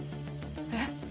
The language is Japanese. えっ？